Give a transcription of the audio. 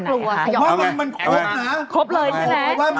น่ากลัว